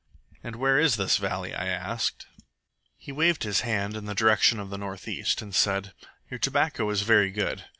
"And where is this valley?" I asked He waved his hand in the direction of the north east, and said: "Your tobacco is very good.